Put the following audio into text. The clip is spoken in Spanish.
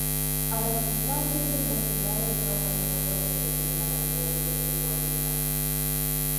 Araquistáin fue internacional en una ocasión con la Selección Amateur de Fútbol de España.